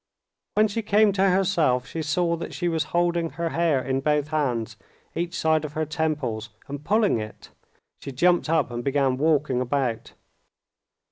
When she came to herself, she saw that she was holding her hair in both hands, each side of her temples, and pulling it. She jumped up, and began walking about.